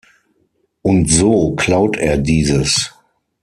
Und so klaut er dieses.